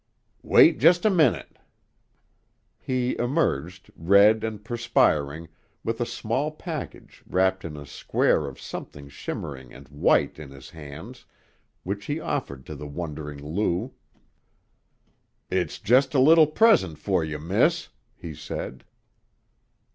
"Wait jest a minute." He emerged, red and perspiring, with a small package wrapped in a square of something shimmering and white in his hands, which he offered to the wondering Lou. "It's jest a little present fer you, miss," he said.